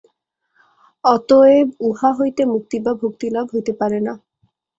অতএব উহা হইতে মুক্তি বা ভক্তিলাভ হইতে পারে না।